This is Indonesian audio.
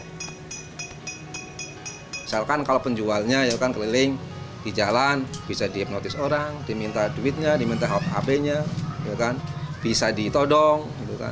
misalkan kalau penjualnya keliling di jalan bisa diapnotis orang diminta duitnya diminta hp nya bisa ditodong